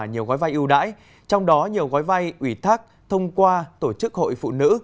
nhiều gói vai ưu đãi trong đó nhiều gói vay ủy thác thông qua tổ chức hội phụ nữ